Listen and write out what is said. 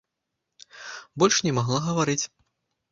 Больш не магла гаварыць.